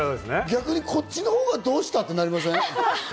逆にこっちのほうがどうした？ってなりません？